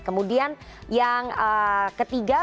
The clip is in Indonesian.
kemudian yang ketiga